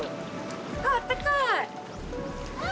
あっあったかい！